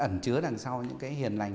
ẩn chứa đằng sau những cái hiền lành